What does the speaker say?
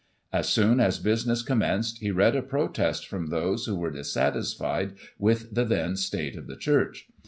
As soon as business commenced, he read a protest from those who were dissatisfied with the then state of the Church.